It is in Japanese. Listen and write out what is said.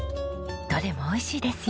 どれも美味しいですよ。